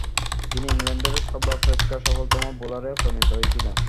তিনি ইংল্যান্ডের সর্বাপেক্ষা সফলতম বোলারে পরিণত হয়েছিলেন।